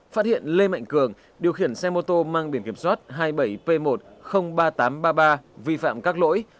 phát hiện lê mạnh cường điều khiển xe mô tô mang biển kiểm soát hai mươi bảy p một ba nghìn tám trăm ba mươi ba vi phạm các lỗi